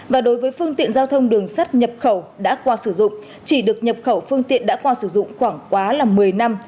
và đối với phương tiện giao thông đường sắt nhập khẩu đã qua sử dụng chỉ được nhập khẩu phương tiện đã qua sử dụng khoảng quá là một mươi năm